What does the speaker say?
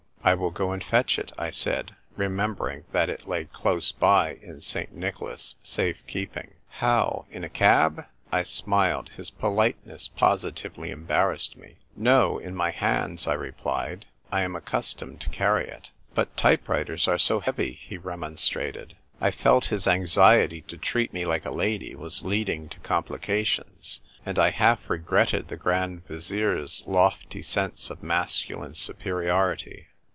" I will go and fetch it," I said, remember ing that it lay close by in St. Nicholas's safe keeping. " How ? In a cab ?" I smiled. His politeness positively embar rassed me. " No ; in my hands," I replied. " I am accustomed to carry it." 128 THE TYPE WRITER GIRL. " But type writers are so heavy," he remon strated. (I felt his anxiety to treat me like a lady was leading: to complications, and I half regretted the Grand Vizier's lofty sense of masculine superiority.)